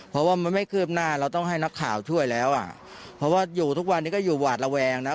เพราะว่าอยู่ทุกวันนี้ก็อยู่หวาดระแวงนะ